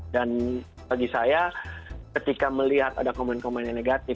dan bagi saya ketika melihat ada komen komen yang negatif